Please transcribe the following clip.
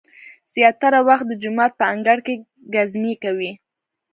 زیاتره وخت د جومات په انګړ کې ګزمې کوي.